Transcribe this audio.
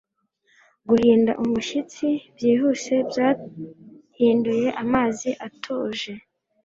Guhinda umushyitsi byihuse byahinduye amazi atuje